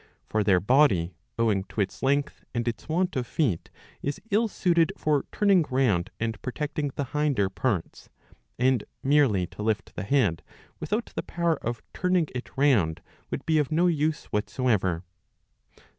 For their body, owing to its length and its want of feet, is ill suited for turning round and protecting the hinder parts ; and merely to lift the head, without the power of turning it round, would be of no use whatsoever.